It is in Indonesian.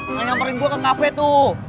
yang nyamperin gue ke cafe tuh